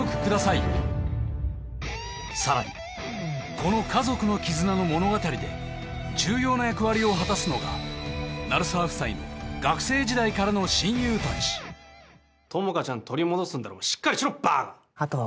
さらにこの家族の絆の物語で重要な役割を果たすのが鳴沢夫妻の学生時代からの親友達友果ちゃん取り戻すんだろしっかりしろばーか！